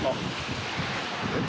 ・えっ？